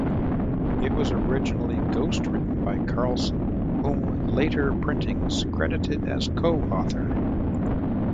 It was originally ghost-written by Carlson, whom later printings credited as co-author.